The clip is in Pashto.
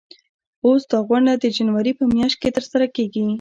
اوس دا غونډه د جنوري په میاشت کې ترسره کیږي.